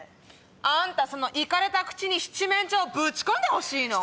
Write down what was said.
あんたそのイカれた口に七面鳥ぶち込んでほしいの？